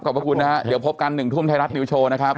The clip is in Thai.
พระคุณนะฮะเดี๋ยวพบกัน๑ทุ่มไทยรัฐนิวโชว์นะครับ